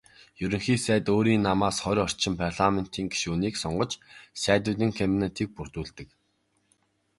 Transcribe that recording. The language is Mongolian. Ерөнхий сайд өөрийн намаас хорь орчим парламентын гишүүнийг сонгож "Сайдуудын кабинет"-ийг бүрдүүлдэг.